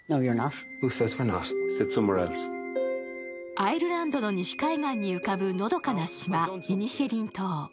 アイルランドの西海岸に浮かぶのどかな島、イニシェリン島。